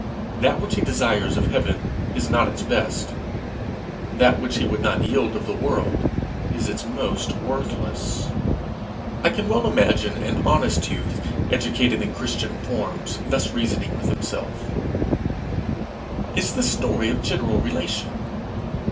That which he desires of heaven is not its best; that which he would not yield of the world is its most worthless. I can well imagine an honest youth, educated in Christian forms, thus reasoning with himself: 'Is the story of general relation?